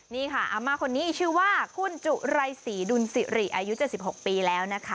นี่ค่ะอาม่าคนนี้ชื่อว่าคุณจุไรศรีดุลสิริอายุ๗๖ปีแล้วนะคะ